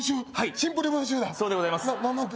シンプルに文春だそうでございます